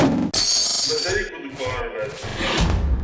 Mazal-iken deg uɣerbaz.